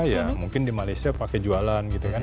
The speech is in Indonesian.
ya mungkin di malaysia pakai jualan gitu kan